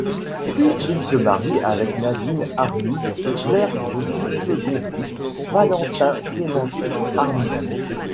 Puis il se marie avec Nadine Arnoult, mère de son second fils, Valentin Clémenti-Arnoult.